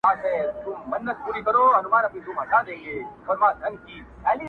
څنگه خوارې ده چي عذاب چي په لاسونو کي دی.